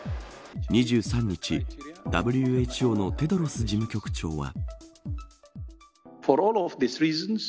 ３日ＷＨＯのテドロス事務局長は。